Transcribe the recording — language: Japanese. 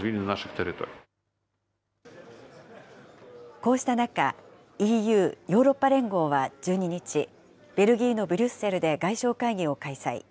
こうした中、ＥＵ・ヨーロッパ連合は１２日、ベルギーのブリュッセルで外相会議を開催。